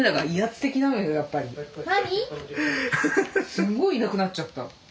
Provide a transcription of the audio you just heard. すっごいいなくなっちゃった。